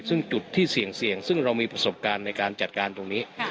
ซึ่งจุดที่เสี่ยงซึ่งเรามีประสบการณ์ในการจัดการตรงนี้